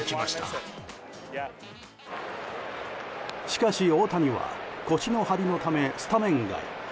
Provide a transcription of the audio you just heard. しかし、大谷は腰の張りのためスタメン外。